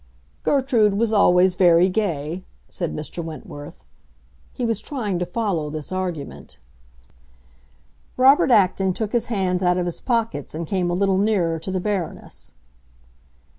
"Gertrude was always very gay," said Mr. Wentworth. He was trying to follow this argument. Robert Acton took his hands out of his pockets and came a little nearer to the Baroness.